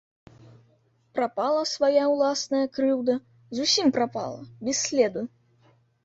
Прапала свая ўласная крыўда, зусім прапала, без следу.